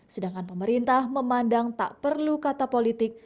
sedangkan pemerintah memandang tak perlu kata politik